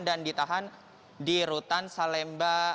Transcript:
dan ditahan di rutan salemba